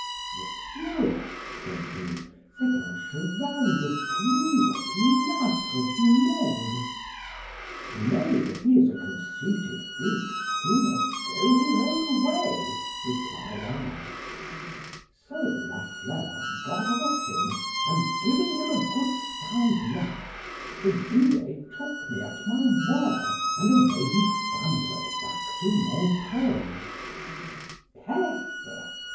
Monsieur, said he, c'est un cheval le plus opiniâtre du monde.—Nay, if he is a conceited beast, he must go his own way, replied I. So La Fleur got off him, and giving him a good sound lash, the bidet took me at my word, and away he scampered back to Montreuil.—Peste!